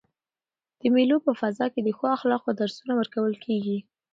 د مېلو په فضا کښي د ښو اخلاقو درسونه ورکول کیږي.